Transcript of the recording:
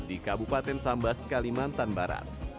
di kabupaten sambas kalimantan barat